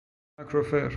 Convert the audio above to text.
ماکروفر